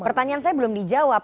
pertanyaan saya belum dijawab